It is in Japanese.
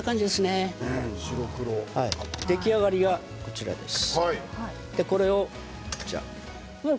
出来上がりがこちらです。